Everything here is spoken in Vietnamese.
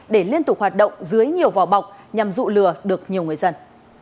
để liên tục hoạt động dưới nhiều vỏ bọc nhằm dụ lừa được nhiều người dân